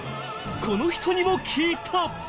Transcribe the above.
この人にも聞いた！